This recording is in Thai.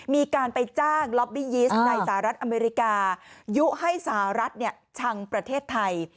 มีการไปจ้างล็อบบี้ยิสต์ในสหรัฐอเมริกายุให้สหรัฐชังประเทศไทย